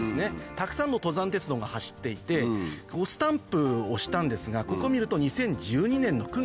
たくさんの登山鉄道が走っていてスタンプ押したんですがここ見ると２０１２年の９月。